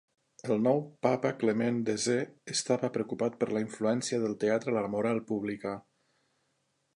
El nou papa Clement X estava preocupat per la influència del teatre a la moral pública.